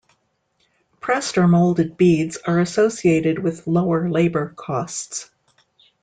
Pressed or molded beads are associated with lower labour costs.